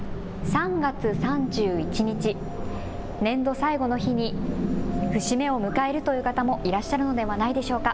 ３月３１日、年度最後の日に節目を迎えるという方もいらっしゃるのではないでしょうか。